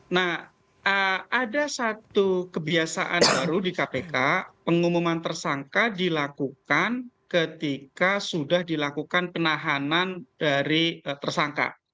nah ada satu kebiasaan baru di kpk pengumuman tersangka dilakukan ketika sudah dilakukan penahanan dari tersangka